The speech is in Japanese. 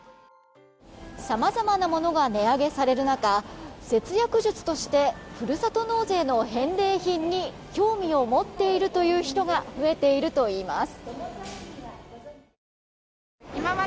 さまざまなものが値上げされる中節約術としてふるさと納税の返礼品に興味を持っているという人が増えているといいます。